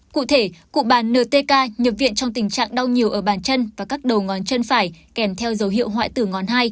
cụ thể cụ bà n t k nhập viện trong tình trạng đau nhiều ở bàn chân và các đầu ngón chân phải kèn theo dấu hiệu hoại tử ngón hai